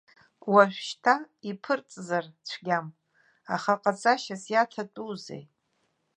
Уажәшьҭа иԥырҵзар цәгьам, аха ҟаҵашьас иаҭатәузеи?